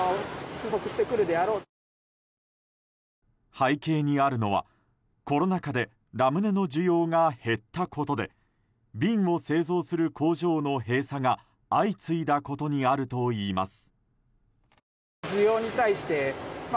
背景にあるのは、コロナ禍でラムネの需要が減ったことで瓶を製造する工場の閉鎖が相次いだことにあるといいます。